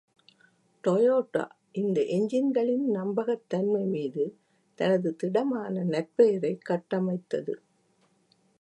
Toyota இந்த எஞ்சின்களின் நம்பகத்தன்மை மீது தனது திடமான நற்பெயரைக் கட்டமைத்தது.